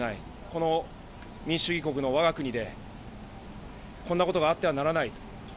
この民主主義国のわが国で、こんなことがあってはならない。